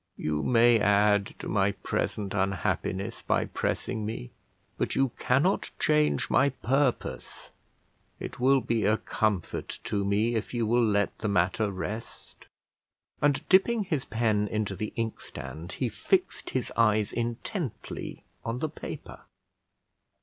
You may add to my present unhappiness by pressing me, but you cannot change my purpose; it will be a comfort to me if you will let the matter rest": and, dipping his pen into the inkstand, he fixed his eyes intently on the paper.